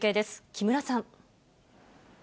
木村さん。